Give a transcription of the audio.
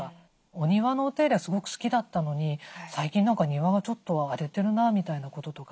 お庭のお手入れがすごく好きだったのに最近何か庭がちょっと荒れてるなみたいなこととか。